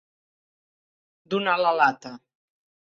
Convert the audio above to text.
Donar la lata.